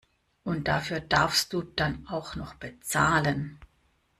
Und dafür darfst du dann auch noch bezahlen!